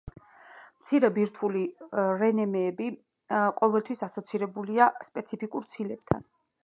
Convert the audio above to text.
მცირე ბირთვული რნმ-ები ყოველთვის ასოცირებულია სპეციფიკურ ცილებთან.